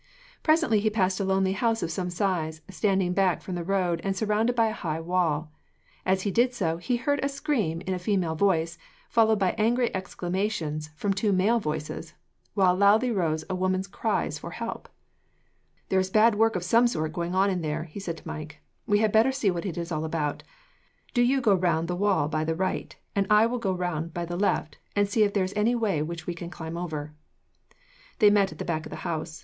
Presently, he passed a lonely house of some size, standing back from the road and surrounded by a high wall. As he did so, he heard a scream in a female voice, followed by angry exclamations from two male voices, while loudly rose a woman's cries for help. "There is bad work of some sort going on in there," he said to Mike. "We had better see what it is all about. Do you go round the wall by the right, and I will go round by the left, and see if there is any way by which we can climb over." They met at the back of the house.